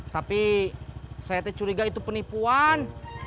tapi saya curiga itu penipuan